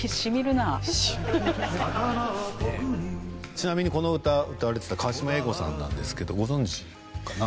ちなみにこの歌歌われてた河島英五さんなんですけどご存じかな？